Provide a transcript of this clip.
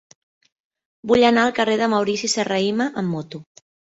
Vull anar al carrer de Maurici Serrahima amb moto.